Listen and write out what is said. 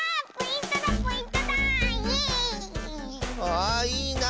あいいな。